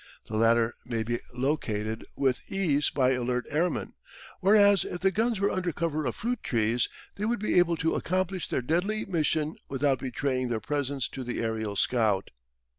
The latter may be located with ease by alert airmen, whereas if the guns were under cover of fruit trees they would be able to accomplish their deadly mission without betraying their presence to the aerial scout.